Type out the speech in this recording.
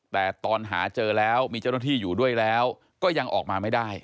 แต่ตอนหาเจอแล้วมีเจ้าหน้าที่อยู่ด้วยแล้วก็ยังออกมาไม่ได้